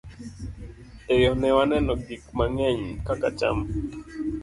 E yo ne waneno gik mang'eny kaka cham